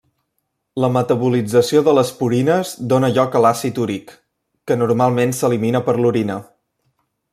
La metabolització de les purines dóna lloc a l'àcid úric, que normalment s'elimina per l'orina.